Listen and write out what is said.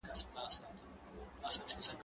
انځورونه د زهشوم له خوا رسم کيږي